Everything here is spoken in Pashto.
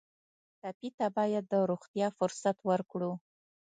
ټپي ته باید د روغتیا فرصت ورکړو.